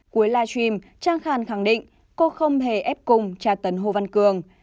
cuối live stream trang khàn khẳng định cô không hề ép cung tra tấn hồ văn cương